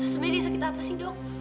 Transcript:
sebenarnya sakit apa sih dok